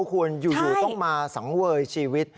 คุณอยู่ต้องมาสังเวยชีวิต